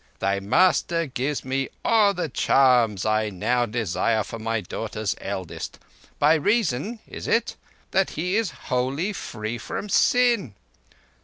Thy master gives me all the charms I now desire for my daughter's eldest, by reason—is it?—that he is wholly free from sin.